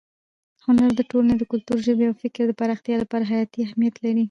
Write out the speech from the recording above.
هنر د ټولنې د کلتور، ژبې او فکر د پراختیا لپاره حیاتي اهمیت لري.